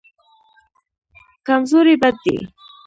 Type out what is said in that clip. کمزوري بد دی.